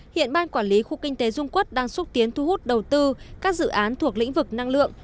hiện ban quản lý khu kinh tế dung quốc đang xúc tiến thu hút đầu tư các dự án thuộc lĩnh vực năng lượng